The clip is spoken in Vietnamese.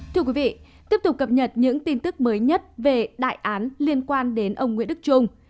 thưa quý vị tiếp tục cập nhật những tin tức mới nhất về đại án liên quan đến ông nguyễn đức trung